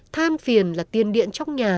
than phiền là tiên điện trong nhà